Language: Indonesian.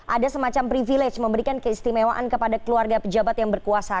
ada semacam privilege memberikan keistimewaan kepada keluarga pejabat yang berkuasa